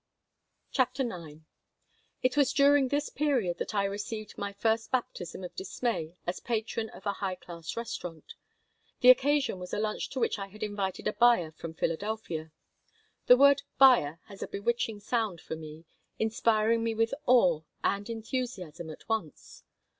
CHAPTER IX IT was during this period that I received my first baptism of dismay as patron of a high class restaurant. The occasion was a lunch to which I had invited a buyer from Philadelphia. The word "buyer" had a bewitching sound for me, inspiring me with awe and enthusiasm at once.